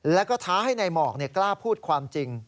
แล้วก็ท้าให้นายหมอกกล้าพูดความจริง